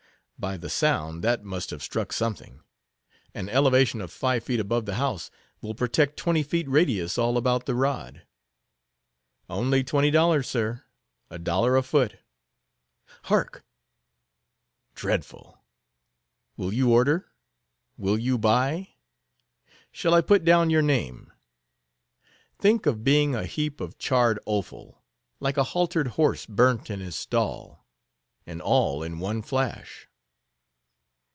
By the sound, that must have struck something. An elevation of five feet above the house, will protect twenty feet radius all about the rod. Only twenty dollars, sir—a dollar a foot. Hark!—Dreadful!—Will you order? Will you buy? Shall I put down your name? Think of being a heap of charred offal, like a haltered horse burnt in his stall; and all in one flash!"